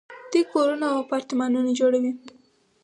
دوی کورونه او اپارتمانونه جوړوي.